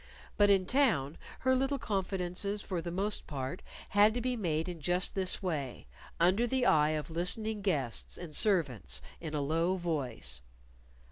But in town her little confidences, for the most part, had to be made in just this way under the eye of listening guests and servants, in a low voice.